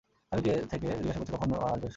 স্বামীকে থেকে থেকে জিজ্ঞাসা করছে, কখন আসবে সরলা।